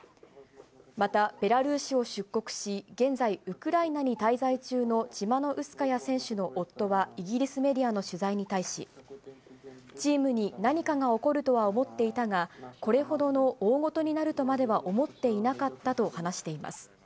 また、ベラルーシを出国し、現在、ウクライナに滞在中のチマノウスカヤ選手の夫は、イギリスメディアの取材に対し、チームに何かが起こるとは思っていたが、これほどの大ごとになるとまでは思っていなかったと話しています。